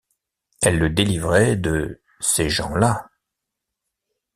Elle le délivrait de « ces gens-là ».